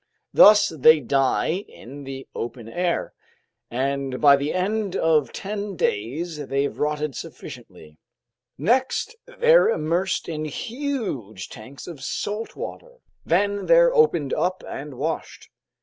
Thus they die in the open air, and by the end of ten days they've rotted sufficiently. Next they're immersed in huge tanks of salt water, then they're opened up and washed.